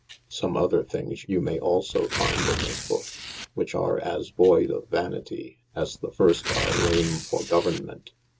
Some other things you may also finde in this Boolce, which are as voyde of vanitie, as the first are lame for governement.